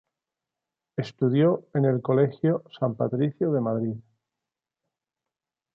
Estudió en el Colegio San Patricio de Madrid.